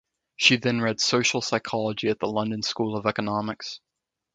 She then read social psychology at the London School of Economics.